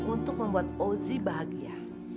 untuk membuat ozi bahagia